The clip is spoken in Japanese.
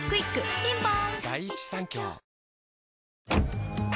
ピンポーン